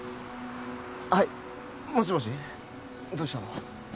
はいもしもしどうしたの？